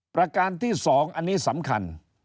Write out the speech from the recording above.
ประการที่๒อันนี้สำคัญ